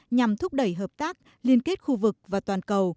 nhằm thúc đẩy hợp tác liên kết khu vực và toàn cầu